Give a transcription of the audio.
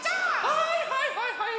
はいはいはいはい！